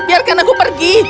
biarkan aku pergi